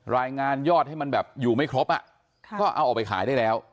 ยอดให้มันแบบอยู่ไม่ครบก็เอาออกไปขายได้แล้ว